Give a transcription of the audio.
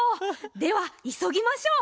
ではいそぎましょう。